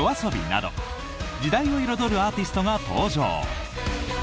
ＹＯＡＳＯＢＩなど時代を彩るアーティストが登場。